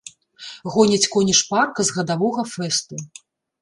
Гоняць коні шпарка з гадавога фэсту.